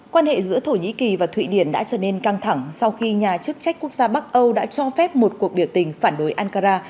quan hệ giữa thổ nhĩ kỳ và thụy điển đã trở nên căng thẳng sau khi nhà chức trách quốc gia bắc âu đã cho phép một cuộc biểu tình phản đối ankara